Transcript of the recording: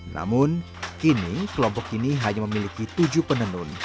namun kini kelompok ini hanya memiliki tujuh penenun